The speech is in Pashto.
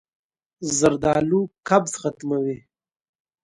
زردالو قبض ختموي.